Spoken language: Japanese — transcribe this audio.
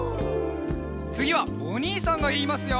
つぎはおにいさんがいいますよ。